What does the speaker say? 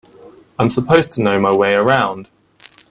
I'm supposed to know my way around.